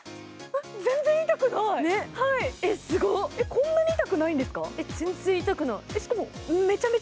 こんなに痛くないんですか？